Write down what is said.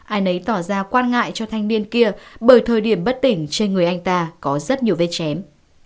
ai nấy tỏ ra quan ngại cho thanh niên kia bởi thời điểm bất tỉnh trên người anh ta có rất nhiều vết chém